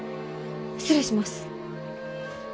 失礼します。